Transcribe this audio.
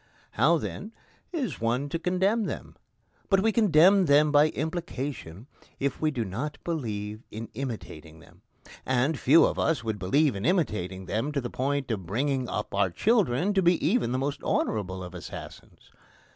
How, then, is one to condemn them? But we condemn them by implication if we do not believe in imitating them; and few of us would believe in imitating them to the point of bringing up our children to be even the most honourable of assassins.